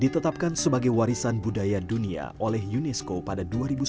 ditetapkan sebagai warisan budaya dunia oleh unesco pada dua ribu sepuluh